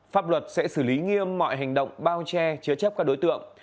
pháp luật sẽ xử lý nghiêm mọi hành động bao che chứa chấp các đối tượng